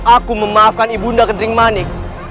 aku memaafkan ibu nda ketering manik